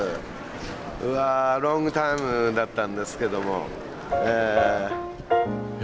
うわロングタイムだったんですけどもええ。